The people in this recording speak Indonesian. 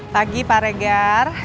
pagi pak regar